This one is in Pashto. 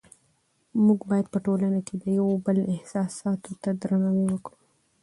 موږ باید په ټولنه کې د یو بل احساساتو ته درناوی وکړو